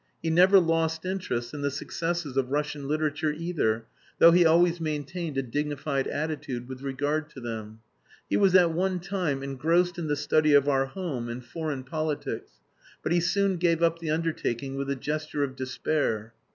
He never lost interest in the successes of Russian literature either, though he always maintained a dignified attitude with regard to them. He was at one time engrossed in the study of our home and foreign politics, but he soon gave up the undertaking with a gesture of despair.